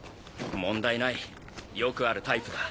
問題ないよくあるタイプだ。